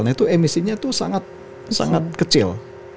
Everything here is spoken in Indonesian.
nah itu emisinya itu sangat kecil